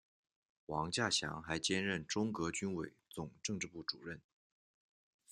王稼祥还兼任中革军委总政治部主任。